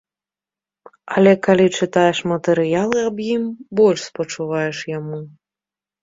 Але калі чытаеш матэрыялы аб ім, больш спачуваеш яму.